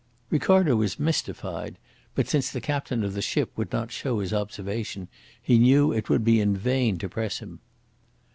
Ricardo was mystified; but since the captain of the ship would not show his observation, he knew it would be in vain to press him.